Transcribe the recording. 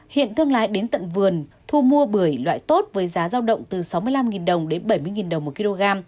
hiện thương lái đến tận vườn thu mua bưởi loại tốt với giá giao động từ sáu mươi năm đồng đến bảy mươi đồng một kg